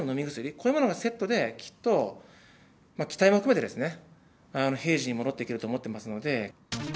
こういうものがセットで、きっと期待も含めて、平時に戻っていけると思ってますので。